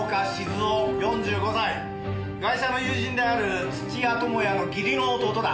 ガイシャの友人である土屋友也の義理の弟だ。